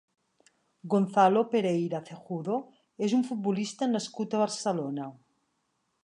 Gonzalo Pereira Cejudo és un futbolista nascut a Barcelona.